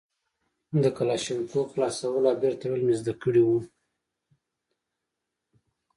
د کلاشينکوف خلاصول او بېرته تړل مې زده کړي وو.